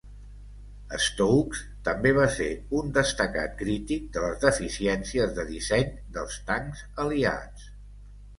Stokes també va ser un destacat crític de les deficiències de disseny dels tancs aliats.